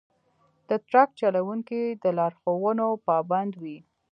د ټرک چلونکي د لارښوونو پابند وي.